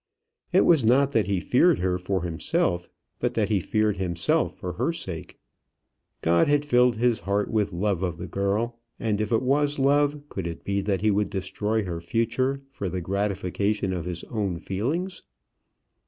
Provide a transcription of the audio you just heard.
It was not that he feared her for himself, but that he feared himself for her sake. God had filled his heart with love of the girl, and, if it was love, could it be that he would destroy her future for the gratification of his own feelings?